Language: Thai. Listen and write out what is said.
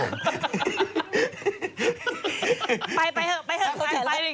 ไปเหอะไปอย่างนี้